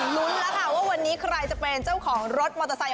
ลุ้นแล้วค่ะว่าวันนี้ใครจะเป็นเจ้าของรถมอเตอร์ไซค